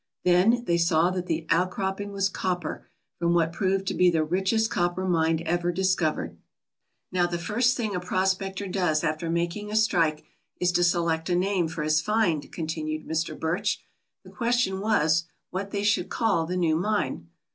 Then they saw that the outcropping was copper from what proved to be the richest copper mine ever discovered. "Now the first thing a prospector does after making a strike is to select a name for his find/' continued Mr. Birch. "The question was what they should call the new mine.